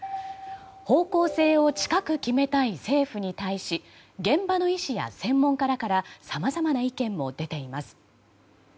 方向性を近く決めたい政府に対し現場の医師や専門家らからさまざまな意見も出ています。